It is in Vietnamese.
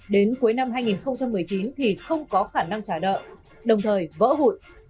đến cuối năm hai nghìn một mươi chín thì không có khả năng trả nợ đồng thời vỡ hụi